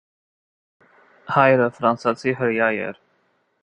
Հայրը ֆրանսիացի հրեա էր։